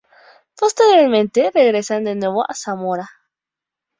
Posteriormente regresa de nuevo a Zamora.